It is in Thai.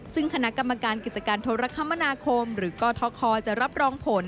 ซึ่งคณะกรรมการกิจการโทรคมนาคมหรือกทคจะรับรองผล